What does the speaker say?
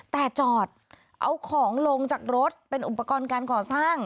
แต่จอดเอาของลงจากรถเป็นอุปกรณ์การก่อสร้าง